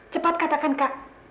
cepat katakan kak